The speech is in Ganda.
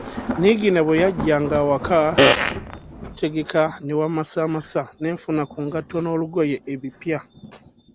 Niigiina bwe yajja ng’awaka tutegeka ne wamasamasa, ne nfuna ku ngatto n’olugoye ebipya.